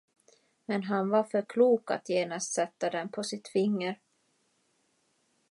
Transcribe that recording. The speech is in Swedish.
Men han var för klok att genast sätta den på sitt finger.